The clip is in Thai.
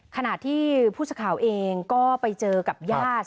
ขนาดที่พูดข่าวเองก็ไปเจอกับญาติ